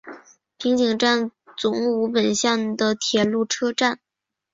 平井站总武本线的铁路车站。